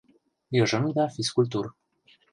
Йыжыҥда физкультур.